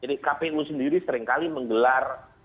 jadi kpu sendiri seringkali menggelar